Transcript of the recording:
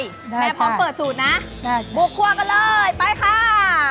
แม่พร้อมเปิดสูตรนะบุกครัวกันเลยไปค่ะ